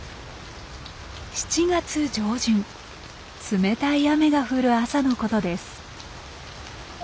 冷たい雨が降る朝のことです。